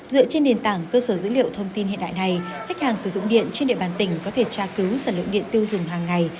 dựa trên nền tảng cơ sở dữ liệu thông tin hiện đại này khách hàng sử dụng điện trên địa bàn tỉnh có thể tra cứu sản lượng điện tiêu dùng hàng ngày